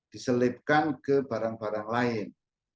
diselipkan ke barang barang lain